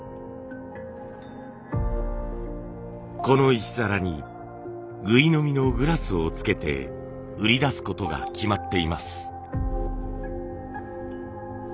この石皿にぐい飲みのグラスをつけて売り出すことが決まっています。